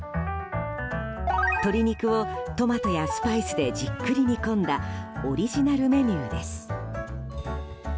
鶏肉をトマトやスパイスでじっくり煮込んだオリジナルメニューです。